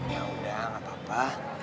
yaudah gak papa